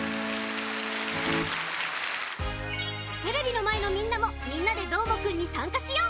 テレビのまえのみんなも「みんなＤＥどーもくん！」にさんかしよう！